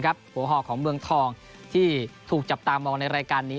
หัวห่อของเมืองทองที่ถูกจับตามองในรายการนี้